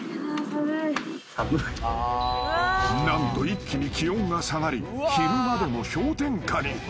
［何と一気に気温が下がり昼間でも氷点下に］